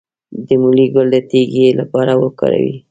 د مولی ګل د تیږې لپاره وکاروئ